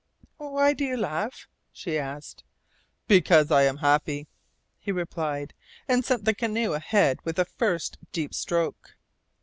"Why do you laugh?" she asked. "Because I am happy," he replied, and sent the canoe ahead with a first deep stroke.